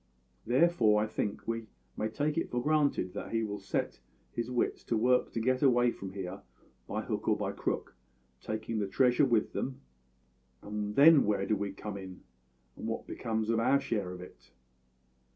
Therefore I think we may take it for granted that he will set his wits to work to get away from here by hook or by crook, taking the treasure with them; and then where do we come in, and what becomes of our share of it?